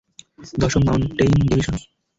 দশম mountain division.